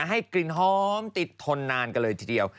ให้กลิ่นหอมติดทนนานกันเลยทีเดียว